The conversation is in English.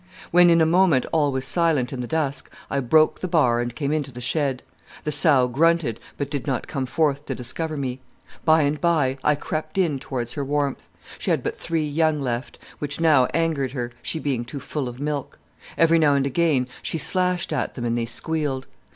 "When in a moment all was silent in the dusk, I broke the bar and came into the shed. The sow grunted, but did not come forth to discover me. By and by I crept in towards her warmth. She had but three young left, which now angered her, she being too full of milk. Every now and again she slashed at them and they squealed.